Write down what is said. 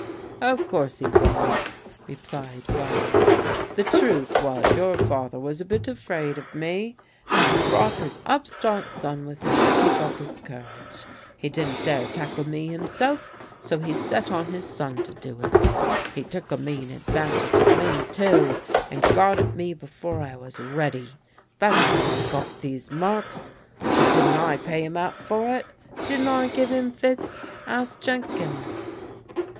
Of course he was," replied Barnes. " The truth was your father was a bit afraid of me, and he brought his upstart son with him to keep up his courage. He didn't dare tackle me himself, so he set on his son to do it. He took a mean advantage of me, too, and got at me before I was ready. That's how I got these marks. But didn't I pay him out for it? Didn't I give him 'fits'? Ask Jenkins."